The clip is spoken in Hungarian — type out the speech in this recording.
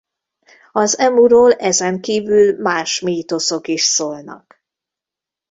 Az emuról ezen kívül más mítoszok is szólnak.